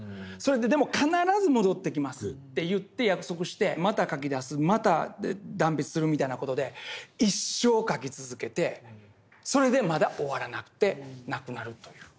でも必ず戻ってきますって言って約束してまた描きだすまた断筆するみたいな事で一生描き続けてそれでまだ終わらなくて亡くなるという。